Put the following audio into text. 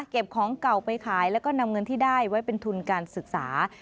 ของเก่าไปขายแล้วก็นำเงินที่ได้ไว้เป็นทุนการศึกษา